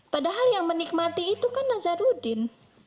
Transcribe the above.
padahal yang menikmati itu kan nazarudin